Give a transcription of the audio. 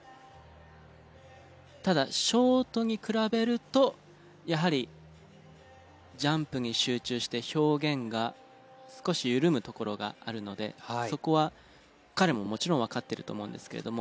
ただショートに比べるとやはりジャンプに集中して表現が少し緩むところがあるのでそこは彼ももちろんわかってると思うんですけれども。